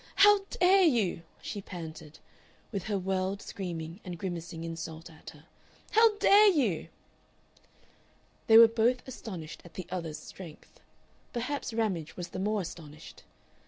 "How dare you!" she panted, with her world screaming and grimacing insult at her. "How dare you!" They were both astonished at the other's strength. Perhaps Ramage was the more astonished.